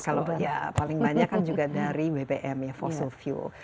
kalau ya paling banyak kan juga dari bbm ya fossil fuel